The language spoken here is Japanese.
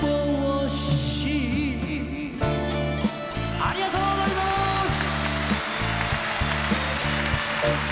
ありがとうございます！